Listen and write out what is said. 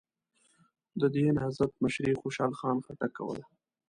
د دغه نهضت مشري خوشحال خان خټک کوله.